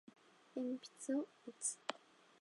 鉛筆を持つ